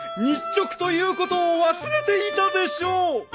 日直ということを忘れていたでしょう！